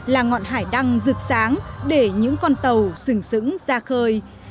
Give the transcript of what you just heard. là ngọn hải đăng rực sáng để những con tàu sừng sững ra khơi